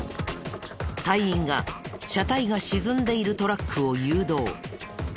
隊員が車体が沈んでいるトラックを誘導。